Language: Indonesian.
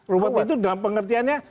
ruwet itu dalam pengertiannya